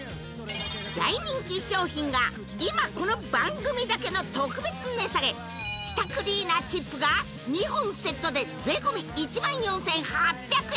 大人気商品が今この番組だけの特別値下げ舌クリーナーチップが２本セットで税込１４８００円